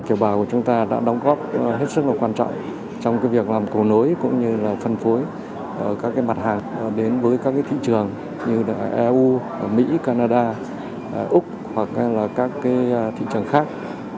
kiều bào của chúng ta đã đóng góp hết sức là quan trọng trong việc làm cầu nối cũng như là phân phối các mặt hàng đến với các thị trường như eu mỹ canada úc hoặc là các thị trường khác